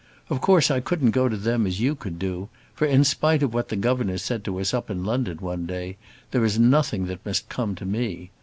Of course I couldn't go to them as you could do, for, in spite of what the governor said to us up in London one day, there is nothing that must come to me.